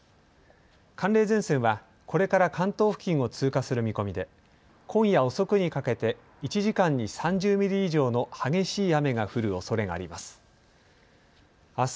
寒冷前線はこれから関東付近を通過する見込みで今夜遅くにかけて１時間に３０ミリ以上の激しい雨が降るおそれがあります。